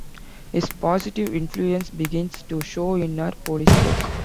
His positive influence begins to show in her police work.